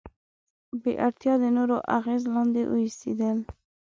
بې اړتیا د نورو اغیز لاندې اوسېدل.